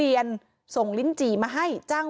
มีเรื่องอะไรมาคุยกันรับได้ทุกอย่าง